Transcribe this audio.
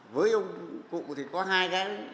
với ông cụ thì có hai cái